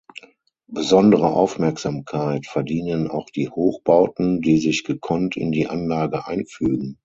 Besondere Aufmerksamkeit verdienen auch die Hochbauten, die sich gekonnt in die Anlage einfügen.